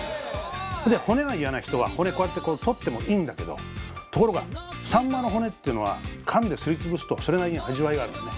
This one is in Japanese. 骨が嫌な人は骨こうやってこう取ってもいいんだけどところがさんまの骨っていうのはかんですり潰すとそれなりに味わいがあるのね。